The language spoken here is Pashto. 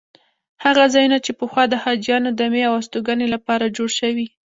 هغه ځایونه چې پخوا د حاجیانو دمې او استوګنې لپاره جوړ شوي.